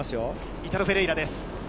イタロ・フェレイラです。